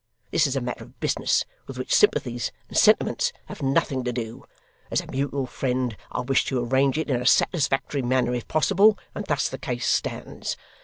This is a matter of business, with which sympathies and sentiments have nothing to do. As a mutual friend, I wish to arrange it in a satisfactory manner, if possible; and thus the case stands.